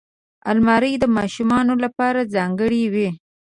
الماري د ماشومانو لپاره ځانګړې وي